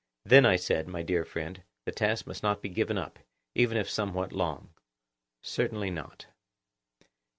Then, I said, my dear friend, the task must not be given up, even if somewhat long. Certainly not.